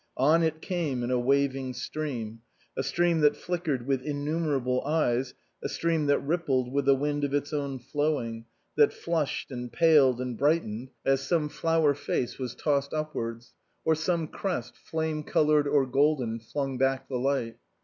On it came in a waving stream ; a stream that flickered with innumerable eyes, a stream that rippled with the wind of its own flowing, that flushed and paled and brightened as some 203 SUPERSEDED flower face was tossed upwards, or some crest, flame coloured or golden, flung back the light.